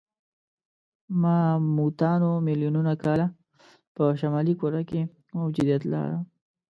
ماموتانو میلیونونه کاله په شمالي کره کې موجودیت لاره.